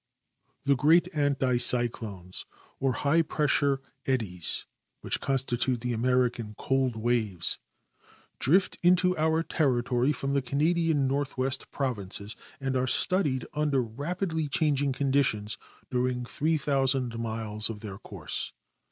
The great anti cyclones or high pressure eddies, which consti tute the American cold waves, drift into our territory from the Canadian Northwest provinces and are studied under rapidly changing conditions during 3,000 miles of their course.